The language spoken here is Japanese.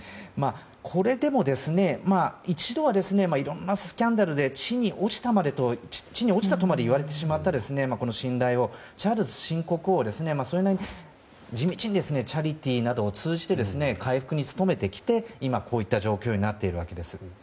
これでも一度はいろんなスキャンダルで地に落ちたとまで言われてしまった信頼をチャールズ新国王は地道にチャリティーなどを通じて回復に努めてきて今、こういった状況になっているわけです。